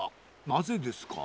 なぜですか？